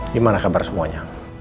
gimana kabar semuanya